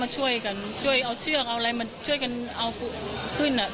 พูดสิทธิ์ข่าวธรรมดาทีวีรายงานสดจากโรงพยาบาลพระนครศรีอยุธยาครับ